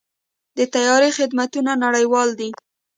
د طیارې خدمتونه نړیوال دي.